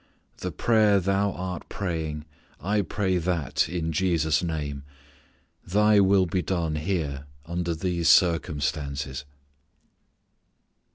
The prayer Thou art praying, I pray that, in Jesus' name. Thy will be done here under these circumstances."